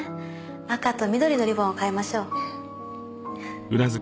赤と緑のリボンを買いましょう。